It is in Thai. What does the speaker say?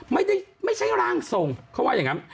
ไม่ใช่ร่างทรงเขาว่าอย่างนั้น